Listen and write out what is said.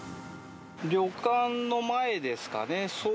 旅館の前ですかね。